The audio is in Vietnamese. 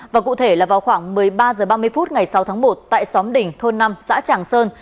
và cụ thể là vào khoảng một mươi ba h ba mươi phút ngày sáu tháng một tại xóm đình thôn năm xã tràng sơn